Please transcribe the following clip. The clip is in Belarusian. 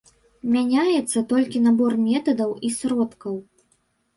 Мяняецца толькі набор метадаў і сродкаў.